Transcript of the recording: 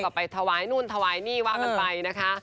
ก็ไปถวายนู่นถวายนี่ว่ากันไปนะคะ